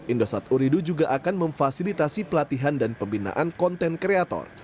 indosat uridu juga akan memfasilitasi pelatihan dan pembinaan konten kreator